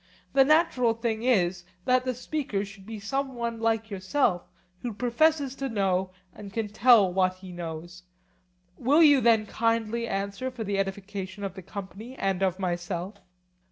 The natural thing is, that the speaker should be some one like yourself who professes to know and can tell what he knows. Will you then kindly answer, for the edification of the company and of myself?